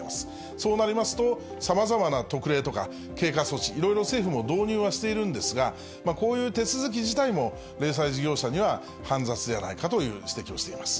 そうなりますと、さまざまな特例とか、経過措置、いろいろ政府も導入はしているんですが、こういう手続き自体も、零細事業者には煩雑ではないかという指摘をしています。